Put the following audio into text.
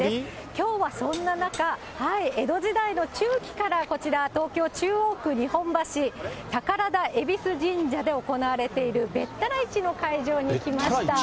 きょうはそんな中、江戸時代の中期から、こちら東京・中央区日本橋、宝田恵比寿神社で行われている、べったら市の会場に来ました。